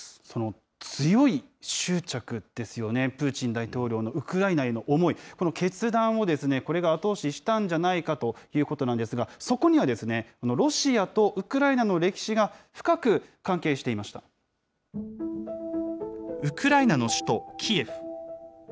その強い執着ですよね、プーチン大統領のウクライナへの思い、この決断をこれが後押ししたんじゃないかということなんですが、そこにはですね、ロシアとウクライナの歴史が深く関係していましウクライナの首都キエフ。